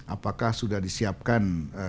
apakah sudah disiapkan